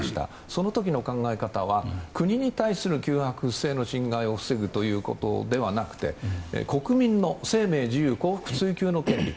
その時の考え方は国に対する侵害を防ぐということではなくて国民の生命、自由幸福追求の権利